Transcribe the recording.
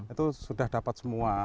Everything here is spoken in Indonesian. itu sudah dapat semua